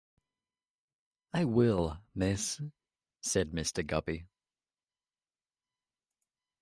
"I will, miss," said Mr. Guppy.